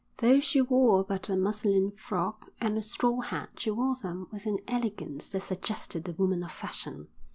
Though she wore but a muslin frock and a straw hat she wore them with an elegance that suggested the woman of fashion.